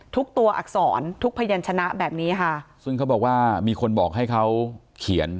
ตัวอักษรทุกพยานชนะแบบนี้ค่ะซึ่งเขาบอกว่ามีคนบอกให้เขาเขียน